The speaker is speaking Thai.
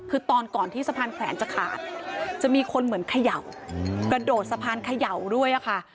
คือตอนก่อนที่สะพานแขวนจะขาดจะมีคนเหมือนเขย่ากระโดดสะพานเขย่าด้วยค่ะ